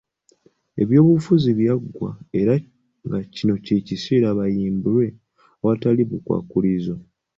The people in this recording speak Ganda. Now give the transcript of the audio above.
Ebyobufuzi byaggwa era nga kino kye kiseera bayimbulwe awatali bukwakkulizo .